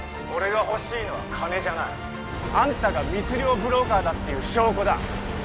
俺が欲しいのは金じゃないあんたが密漁ブローカーだっていう証拠だ